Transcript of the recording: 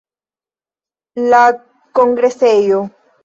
La kongresejo.